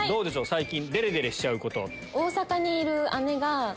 最近デレデレしちゃうこと。